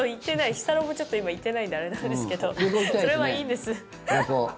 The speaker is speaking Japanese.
日サロもちょっと今行ってないんであれなんですけどそれはいいんです。